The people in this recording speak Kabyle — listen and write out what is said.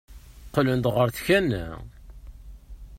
Qqlen-d ɣer tkanna.